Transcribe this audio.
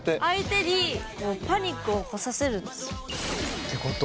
ってこと？